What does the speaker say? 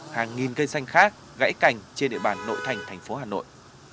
hàng nghìn cây xanh khác gãy cành trên địa bàn nội thành thành phố hà nội